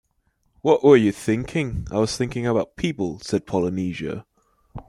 “What were you thinking?” “I was thinking about people,” said Polynesia.